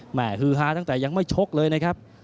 ฮือฮาตั้งแต่ยังไม่ชกเลยนะครับ